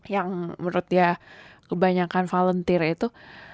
yang menurut dia kebanyakan volunteer itu